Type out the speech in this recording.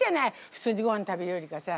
普通にごはん食べるよりかさ。